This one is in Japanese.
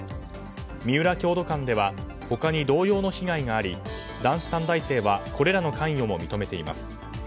みうら郷土館では他に同様の被害があり男子短大生はこれらの関与も認めています。